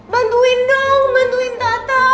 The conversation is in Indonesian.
bantuin dong bantuin tata